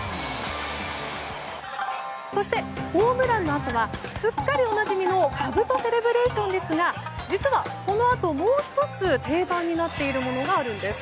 そして、ホームランのあとはすっかりおなじみのかぶとセレブレーションですが実は、このあともう１つ定番になっているものがあるんです。